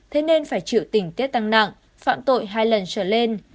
thế nên phải chịu tình tiết tăng nặng phạm tội hai lần trở lên